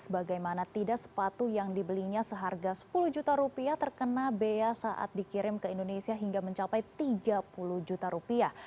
bagaimana tidak sepatu yang dibelinya seharga sepuluh juta rupiah terkena bea saat dikirim ke indonesia hingga mencapai tiga puluh juta rupiah